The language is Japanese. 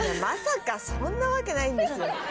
まさかそんなわけないんですよ。